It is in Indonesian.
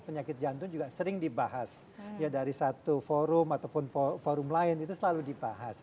penyakit jantung juga sering dibahas ya dari satu forum ataupun forum lain itu selalu dibahas